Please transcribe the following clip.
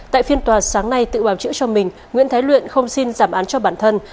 tại phiên tòa sáng nay tự bảo chữa cho mình nguyễn thái luyện không xin giảm án cho bản thân